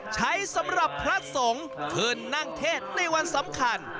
สำหรับพระสงฆ์ขึ้นนั่งเทศในวันสำคัญ